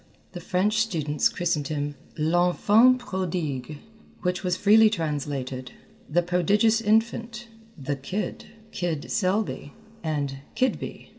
The French students christened him "l'Enfant Prodigue," which was freely translated, "The Prodigious Infant," "The Kid," "Kid Selby," and "Kidby."